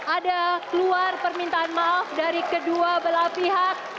ada keluar permintaan maaf dari kedua belah pihak